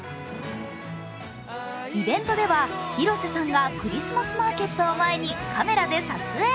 イベントでは広瀬さんがクリスマスマーケットを前にカメラで撮影。